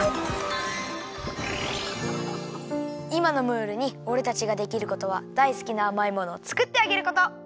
いまのムールにおれたちができることはだいすきなあまいものをつくってあげること。